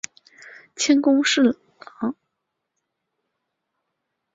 迁工部侍郎。